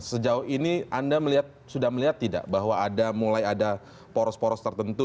sejauh ini anda sudah melihat tidak bahwa mulai ada poros poros tertentu